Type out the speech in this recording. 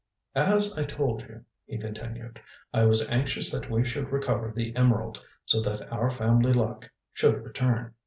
"As I told you," he continued, "I was anxious that we should recover the emerald, so that our family luck should return.